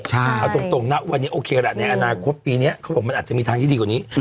เอาตรงนะวันนี้โอเคละในอนาคตปีนี้เขาบอกมันอาจจะมีทางที่ดีกว่านี้